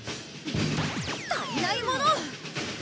足りないもの。